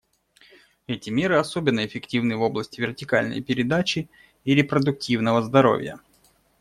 Эти меры особенно эффективны в области вертикальной передачи и репродуктивного здоровья.